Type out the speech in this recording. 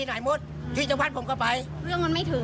อยากจะยื่น